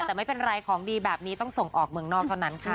แต่ไม่เป็นไรของดีแบบนี้ต้องส่งออกเมืองนอกเท่านั้นค่ะ